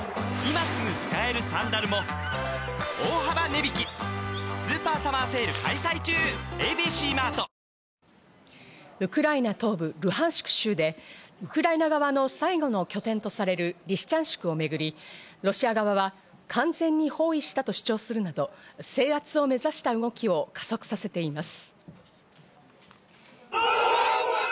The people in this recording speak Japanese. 体力を過ウクライナ東部ルハンシク州で、ウクライナ側の最後の拠点とされるリシチャンシクをめぐり、ロシア側は完全に包囲したと主張するなど制圧を目指した動きを加速させています。